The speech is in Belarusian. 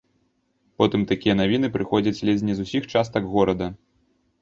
Потым такія навіны прыходзяць ледзь не з усіх частак горада.